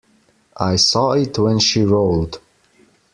I saw it when she rolled.